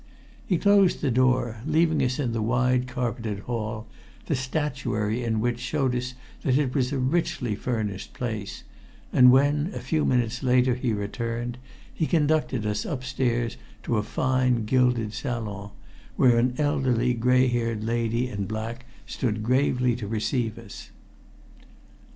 He closed the door, leaving us in the wide carpeted hall, the statuary in which showed us that it was a richly furnished place, and when a few minutes later he returned, he conducted us upstairs to a fine gilded salon, where an elderly gray haired lady in black stood gravely to receive us.